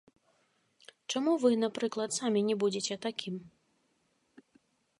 Чаму вы, напрыклад, самі не будзеце такім?